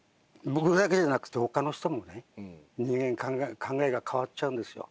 僕だけじゃなくてほかの人もね人間考えが変わっちゃうんですよ